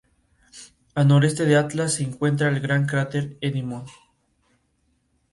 Al noreste de Atlas se encuentra el gran cráter Endymion.